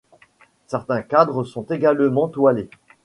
Certains cadre sont également toilés.